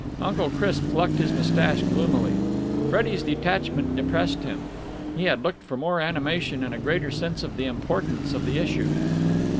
Uncle Chris plucked at his moustache gloomily. Freddie's detachment depressed him. He had looked for more animation and a greater sense of the importance of the issue.